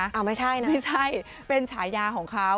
เอาไม่ใช่นะไม่ใช่เป็นฉายาของเขา